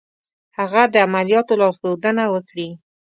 هغه دې د عملیاتو لارښودنه وکړي.